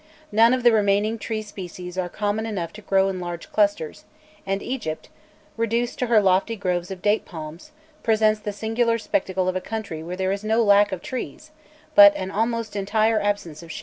None of the remaining tree species are common enough to grow in large clusters; and Egypt, reduced to her lofty groves of date palms, presents the singular spectacle of a country where there is no lack of trees, but an almost entire absence of shade.